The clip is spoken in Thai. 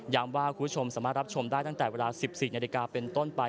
ว่าคุณผู้ชมสามารถรับชมได้ตั้งแต่เวลา๑๔นาฬิกาเป็นต้นไป